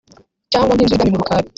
cyangwa nk’inzu z’ibwami mu Rukari